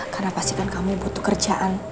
karena pastikan kamu butuh kerjaan